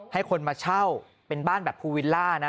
ให้คนมาเช่าเป็นบ้านแบบภูวิลล่านะ